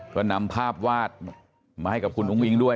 ก็นำภาพวาดมาให้กับคุณอุ้งอิงด้วย